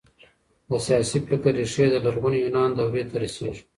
د سياسي فکر ريښې د لرغوني يونان دورې ته رسېږي.